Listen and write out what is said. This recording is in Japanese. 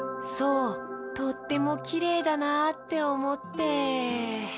そうとってもきれいだなっておもって。